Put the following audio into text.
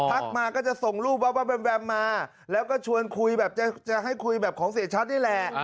มาก็จะส่งรูปแว๊บมาแล้วก็ชวนคุยแบบจะให้คุยแบบของเสียชัดนี่แหละ